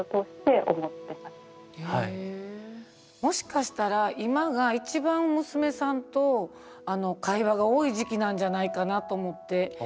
もしかしたら今が一番娘さんと会話が多い時期なんじゃないかなと思って。